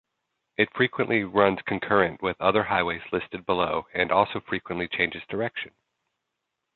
It frequently runs concurrent with other highways listed below and also frequently changes direction.